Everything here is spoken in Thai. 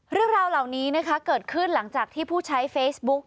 เรื่องราวเหล่านี้นะคะเกิดขึ้นหลังจากที่ผู้ใช้เฟซบุ๊ก